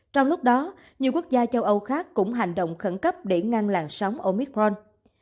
trong lúc đó nhiều quốc gia châu âu khác cũng hành động khẩn cấp để ngăn làn sóng omithron